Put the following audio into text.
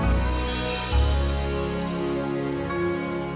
mau ngaset card dari pengontrol ke india